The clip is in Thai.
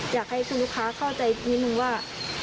อยากให้คุณลูกค้าเข้าใจนิดนึงว่า